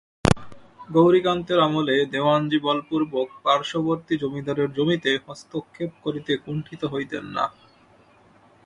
গৌরীকান্তের আমলে দেওয়ানজি বলপূর্বক পার্শ্ববর্তী জমিদারের জমিতে হস্তক্ষেপ করিতে কুণ্ঠিত হইতেন না।